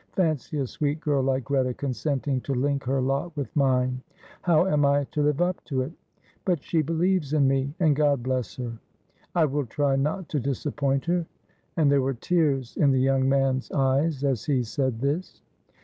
Fancy a sweet girl like Greta consenting to link her lot with mine. How am I to live up to it? but she believes in me, and God bless her. I will try not to disappoint her," and there were tears in the young man's eyes as he said this.